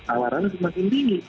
awarannya semakin tinggi